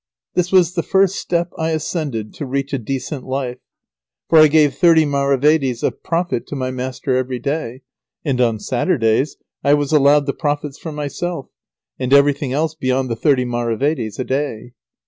This was the first step I ascended, to reach a decent life. For I gave thirty maravedis of profit to my master every day, and on Saturdays I was allowed the profits for myself, and everything else beyond the thirty maravedis a day.